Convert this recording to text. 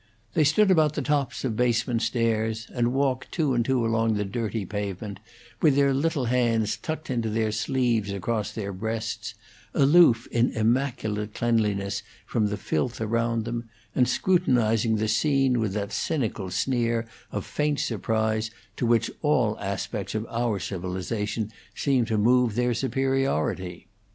They stood about the tops of basement stairs, and walked two and two along the dirty pavement, with their little hands tucked into their sleeves across their breasts, aloof in immaculate cleanliness from the filth around them, and scrutinizing the scene with that cynical sneer of faint surprise to which all aspects of our civilization seem to move their superiority.